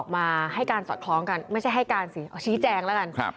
ไม่ใช่ให้การสิเอาชี้แจงแล้วกัน